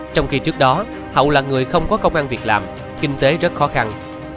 trong khi trước đó hậu là người không có công an việc làm kinh tế rất khó khăn